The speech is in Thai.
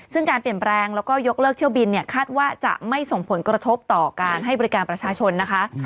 ซึ่งการเปลี่ยนแปลงแล้วก็ยกเลิกเที่ยวบินเนี่ยคาดว่าจะไม่ส่งผลกระทบต่อการให้บริการประชาชนนะคะ